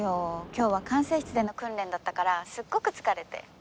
今日は管制室での訓練だったからすっごく疲れて。